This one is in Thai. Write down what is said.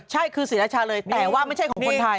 ใช่คือศรีราชาเลยแต่ว่าไม่ใช่ของคนไทย